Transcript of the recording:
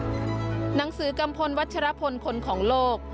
หนังสือกัมพลวัชรพลคนของโลก